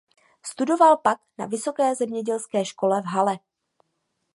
Studoval pak na vysoké zemědělské škole v Halle.